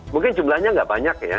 mungkin jumlahnya nggak banyak ya